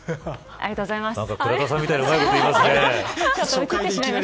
ありがとうございます。